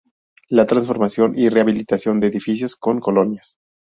La transformación y rehabilitación de edificios con colonias.